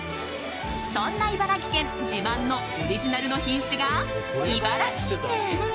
そんな茨城県自慢のオリジナルの品種がイバラキング。